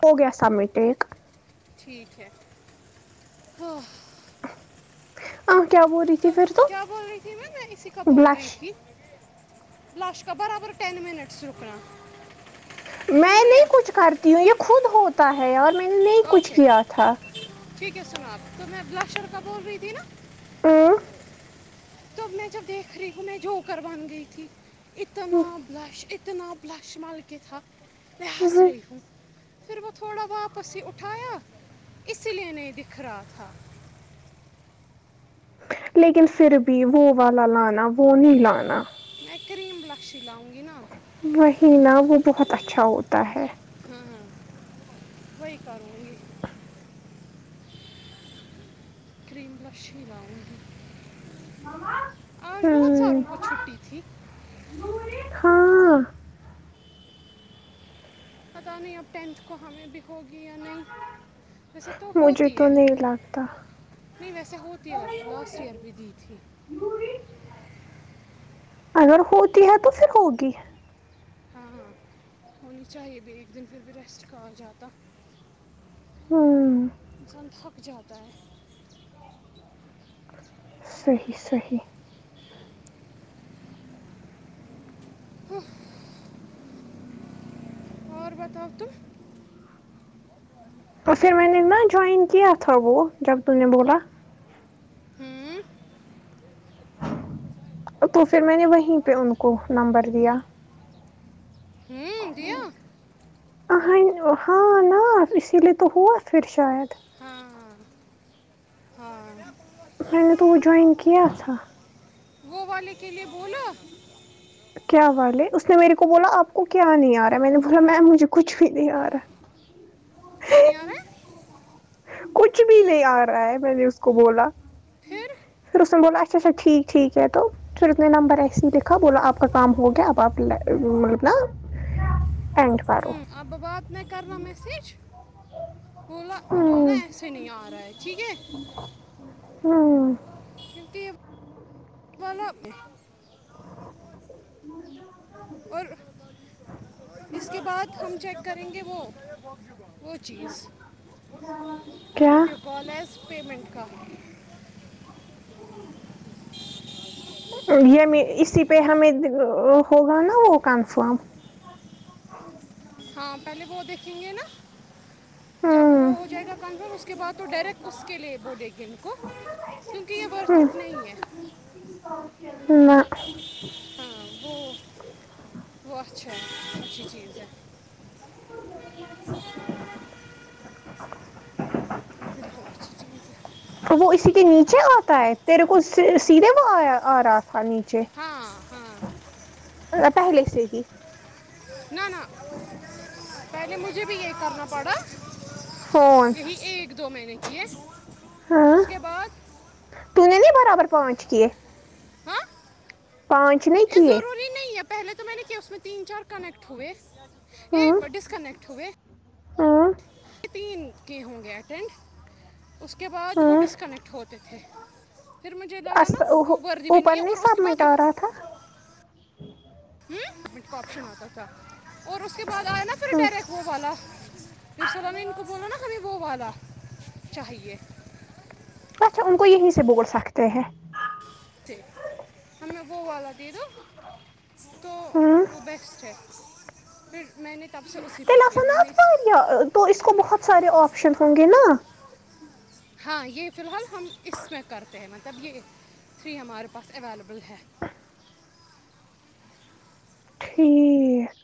ہو گیا سام میں ٹیک ٹھیک ہے ہاں ا تو کیا بول رہی تھی میںم میں اسی کا بول بلش رہی تھی لاسشک کا برابر ٹین منٹس رکنا سن میں رہی نہیں ہے کچھ کرتی ہوں یہ خود ہوتا ہے اور میں نے نہیں کچھ اوکے کیا تھا ٹھیک ہے سناحب تو میں بلاشر کا بول رہی تھی نا ہوں، توب میں جب دیکھ رہی ہوں میں جوکر بن گئی تھی اتنا بلاش تو نام بلاش ملکت میں ہسر ہوں پھر وہ تھوڑا واپس سے اٹھایا اسی لیے نہیں دکھ رہا تھا لیکن پھر بھی وہ والا لانا وہ نہیں لانا میں کریم بلاکشی لاؤں گی نا وہی نا وہ بہت اچھا ہوتا ہے کوئی کرو گ کریم بلاش ہی لاؤی آج بہت ہوں، ساروں کو چھٹی تھی ہاں پتا نہیں ہے پینٹ کو ہمیں بھی ہوگی یا نہیں ویسے تو مجھے ہوتی تو ہے نہیں لگتا نہیں ویسے ہوتی ہے لاسٹ ایئر بھی دی تھی اگر ہوتی ہے تو پھر ہوگی ہاں ہاں ہونی چاہیے بھی ایک دن پھر بھی ریسٹ کا آ جاتا ہاں انسان تھک جاتا ہے صحیح صیح ہ اور اور بتاؤ تو تو پھر میں نے ن جوائن کیا تھا وہ جب ت نے بولا ہوں تو پھر میں نے وہیں پہ ان کو نمبر دیا ہوں دیا یں ہاں نا اسی لیے تو ہوا پھر شاید ہاں ہاں میں نے تو وہ جوائن کی آا او والے کے لیے بولو کیا والے اس نے میرے کو بولا آپ کو کیا نہیں آ رہا ہے میں نے بولا میم مجھے کچھ بھی نہیں آ رہا ہے کیا یار ہے کچھ بھی نہیں آ رہا ہے میں نے اس کو بولا پھر پھر اس نے بولا اچھا اچھا ٹھیک ٹھیک ہے تو پھر ا نے نمبر ایسے ہی لکھا بولا آپ کا کام ہو گیا اب آپ مطل ن وں آ ب بات میں کروا میسیج بولا بولنا ہوں ہے ایسے نہیں آ رہا ہے ٹھیک ہے نہیں کیونک چلب میں اور اس کے بعد ہم چیک کریں گے وہ وہ چیز کیا what you call as payment کا اسی پہ ہمیں ہوگا نا وہ کنفرم ہاں پہلے وہ دیکھیں گے نا جب وہ ہوں ہو جائے گا کانفر اس کے بعد تو ڈائریکٹ اس کے لیے وہ دیکھیں ان کو کیونکہ یہ ورسٹ نہیں ہے نہ ہاں وہ وہ اچھا ہے اچھی چیز ہے اور بالکل اچھی چیز ہے وہ اسی کے نیچے آتا ہے تیرے کو سیدھے وہ آ رہا تھا نیچے ہاں ہاں پہلے سے ہی نہ نہ اوک پہلے مجھے بھی یہ کرنا پڑا فون یہی ایک دو مہ نے کیے اس کے بعد ت نے نہیں برابر پہنچ کی ہاں پانچچن یہ کی ضروری نہیں پہلے تو میں نے کیا اس میں تین چار کنیکٹ ہوئے یہ ہاں ڈسکنیکٹ ہوئے ہاں تین کے ہوں گے اٹینڈ اس کے بعد وہ ہاں ڈسکنیکٹ ہوتے تھے پھر مجھے لگا نا وہ وردی بھی نہیں ہے اور اس کے بعد ٹ کا آپشن ہوتا تھا اور اس کے بعد آیا نا پھر ہاں ڈائریکٹ وہ والا پھر سلام ان کو بولا نا کبھی وہ والا چاہیے اچھا ان کو یہیں سے بول سکتے ہیں تھے ہمیں وہ والا د دوو تو ہاں وہ بیسٹ ہے پھر میں نے تب سے اسی پہ تیلے کیا آا ن میں آت نے اس ویا تو اس کو بہت سارے آپشن ہوں گے نا ہاں یہ فی الحال ہم اس میں کرتے ہیں مطب تب یہ تھری ہمارے پاس اویلیبل ہے ٹھیک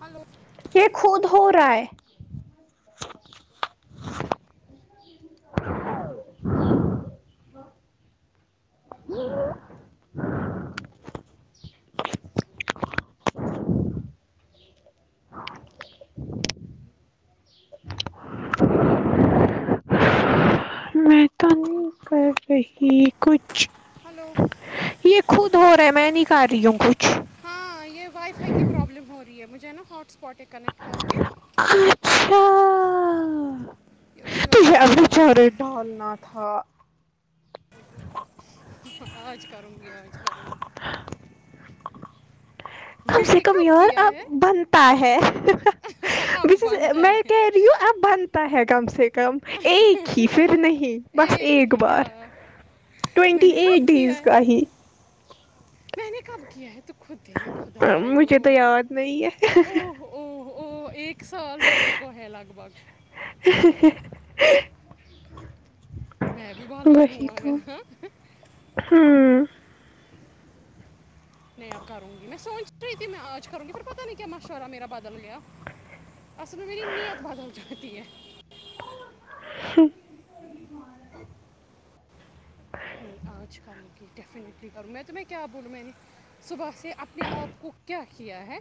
ہلو یہ خود ہو رہا ہے [inaudible] میںتانی پر صحی کچھ ہلو یہ خود ہو رہا ہے میں نہیں کر رہی ہوں کچھ ہاں یہ وائی فائی کی پرابلم ہو رہی ہے مجھے جو ہاٹس پاٹیں کنیکٹ کر کے یہ ہ اسی وجہ توھے سے اب بی ہو رہا چارے ڈالنا تھا آج کروں گی آج کروں گی کم میں سے نے کم کب یار کیا اب ہے بنتا ہے اب بنتا میں ہے کہہ رہی ہوں اب بنتا ہے کم سے کم ایک ہی پھر نہیں بس اے ایک کیا بار میں ٹینٹی نے ایٹ کب ڈیز کیا ہے کا ہی ج میں نے کب کیا ہے تو خودی مجھے تو خداو یاد نہیں او ہے ہو او ہو ا ایک ایک سال ہونے کو ہے لگ بھگ [inaudible] میں بھی بالو وہی ہووا گ تو ہوں نہیں اب کروں گی میں سوچ رہی تھی میں آج کروں گی پ پتا نہیں کیا مشورہ میرا بدل گیا اصل میں میری ات بدل جگتی ہے [inaudible] نہیں آج کروں گی ڈیفینٹلی کروں میں تمہ کیا بولوں میں نے صبح سے اپنے آپ کو کیا کیا ہے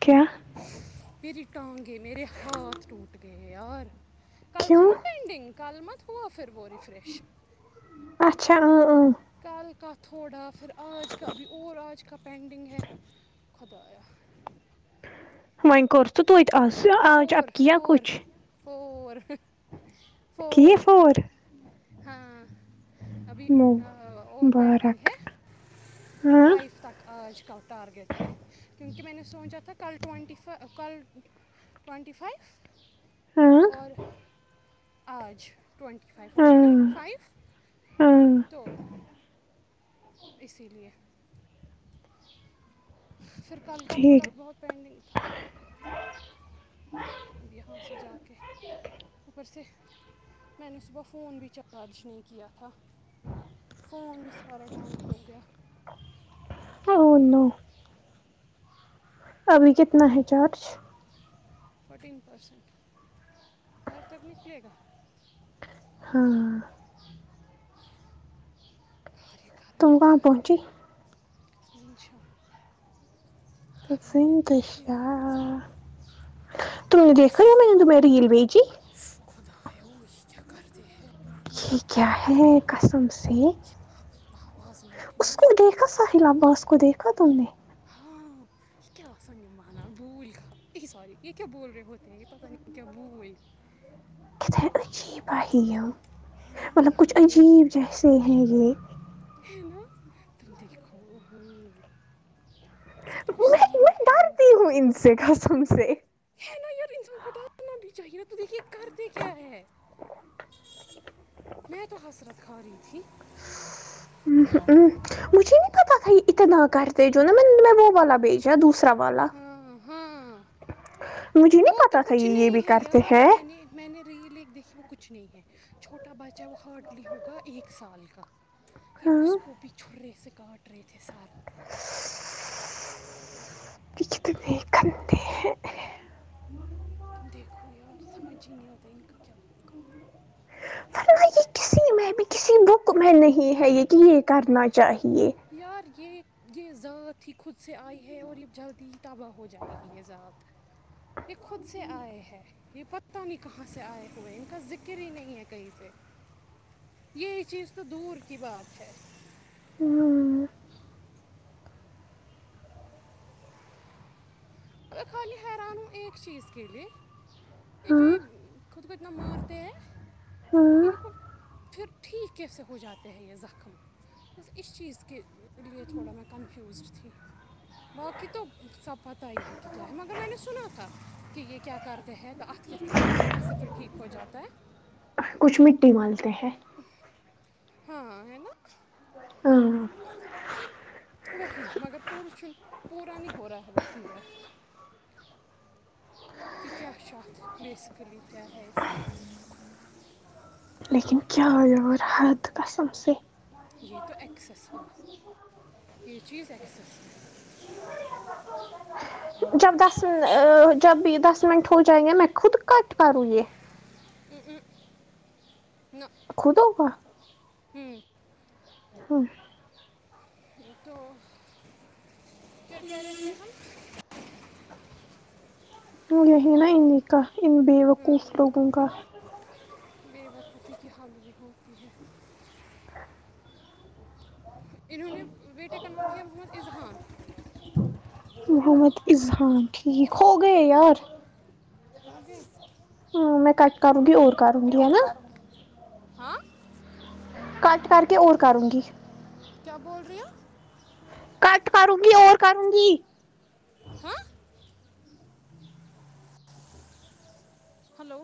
کیا میری ٹانگے میر ہاتھ ٹوٹ گئے یار کل تھا کیوں نا پینٹنگ کال مت ہوا پھر وہ ریفریش اچھا ا ہ کل کا تھوڑا پھر آج ک بھی اورور آج کل پینڈنگ ہے خدایا ون کر تو آج اب کیا کچھ اور کی فور ہاں ابھی اور پینٹنگ مبارک ہے ہاں فائیو تک آج کا ٹارگیٹ ہے کیونکہ میں نے سوچا تھا کل ٹوینٹی فائیو کل ٹوونٹی فائیف ہاں اور آج ٹوونٹی فائیو ہو گئے نا ہاں فائیو ہاں تو اسی لیے پھر کل کا تھوڑا ٹھیک بہت پینڈنگ تھا ہاں [inaudible] اب یہاں سے جا کے اوپر سے میں نے صبح فون بھی چارج نہیں کیا تھا فون بھی [unintelligible] سارا ڈاؤن ہو گیا [unintelligible] اور نو [unintelligible] ابھی کتنا ہے چارج فورٹین پرسنٹ گھر تک نکلے گا [unintelligible] ہاں اور یہ کار میں تم کیا کہاں ہے پہنچی [unintelligible] ونشا [unintelligible] ح سین دشیا [unintelligible] توم نے دیکھاا میں نے میر [unintelligible] تل بی جی [unintelligible] خدا ہو ہی کیا کرتے ہیں [unintelligible] یہ کیا ہے کسم یہ با- بآواز ناٹھن اس کو مشک دیکھا ہے ساحل اباس کو دیکھا تم نے ہاں یہ کیا آسانی بانا بول سوری یہ کیا بول رہے ہوتے ہیں یہ پت نہیں کیا بول [unintelligible] اچھی پاہی ہے نا [unintelligible] مطلب کچھ عجیب یہ جیسے ہیں یہ نا تدی کو ا گئی [unintelligible] سب کچھ میں صحیح م میں ہے ڈرتی ہوں مگر ان سے قسم سے ہے نا یار انسان کو ڈالنا بھی چاہیے تو [unintelligible] دیکھیے کرتے کیا ہے میں تو حسرت کھا رہی تھی ہ ہ ہ مجھے نہیں پتا تھا اتنا کرتے جو نا میں میں وہ والا بھیجا دوسرا والا ہاں ہاں مجھے نہیں وہ تو پتا تھا کچھ یہ یہ بھی نہیں ہے کرتے یار ہیں میں نے میں نے ریل ایک دیکھیے وہ کچھ نہیں ہے چھوٹا بچا ہے وہ ہارڈلی ہوگا ایک سال کا کہ اس ہاں کو بھی چھوڑ رہے سکے کٹ رہت ح سال [unintelligible] یہ کتنے گندے ہیں تم دیکھو یار سمجھ ہی نہیں آتا ان کا کیا ہوگا [unintelligible] فن یہ کسی میں بھی کسی بک میں نہیں ہے یہ کہ یہ کرنا چاہیے یار یہ یہ ذات ہی خود سے آئی ہے اور یہ جلدی ہی تباہ ہو جائے گی یہ ذات یہ خود سے آئے ہے یہ پتہ نہیں کہاں سے آئے ہوئے ان کا ذکر ہی نہیں ہے کہیں سے یہی چیز تو دور کی بات ہے ہاں میں خالی حیران ہوں ایک چیز کے لیے یہ جو ہاں یہ خود کو اتنا مارتے ہیں ہاں ان کو پھر ٹھیک کیسے ہو جاتے ہیں یہ زخم بس اس چیز کے لیے تھوڑا میں کنفیوزڈ تھی باقی تو سب پتہ ہی ہے کیا کہ کیا ہے مگر میں نے سنا تھا کہ یہ کیا کرتے ہیں توھ یہ کیسے پھر ٹھیک ہو جاتا ہے کچھ مٹی والی تے ہیں [unintelligible] ہاں ہاں ہ نا [unintelligible] ہاں وہی مگر پ پورا نہیں ہو رہا ہے وہ کلیئر [unintelligible] کہ کیا چ اھ بیسکلی کیا ہے لیکن کیا یور حد قسم سے یہ تو ایکسس ہوا یہ چیز ایکسس ہوا جب دس م جب بھی دس منٹ ہو جائیں گے میں خود کٹ کروں یہ ا ا ن [unintelligible] [inaudible] کھودو کا ہاں تو کیا رہ ہیں ہم یہی نا انیں کا ان بے وقوف لوگوں کا بیے وقوفی کی حالمی ہوتی ہے انہوں نے بیٹے کا نام کیا محمد اذہان محمد اذہان ٹھیک ہو گئے یار ہوگے ہ میں کٹ کروں گی اور کروں گی ہے پور نا کرو ہ کٹ کر کے اور کروں گی کیا بول رہی ہیں کٹ کروں گی اور کروں گی ہاں ہلو